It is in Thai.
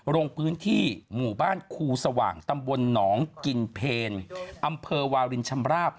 ลงพื้นที่หมู่บ้านคูสว่างตำบลหนองกินเพลอำเภอวารินชำราบ